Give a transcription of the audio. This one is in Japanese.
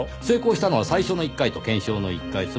成功したのは最初の１回と検証の１回。